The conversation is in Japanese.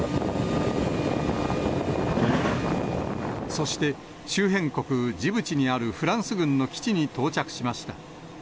そして周辺国ジブチにあるフランス軍の基地に到着しました。